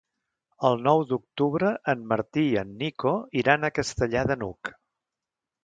El nou d'octubre en Martí i en Nico iran a Castellar de n'Hug.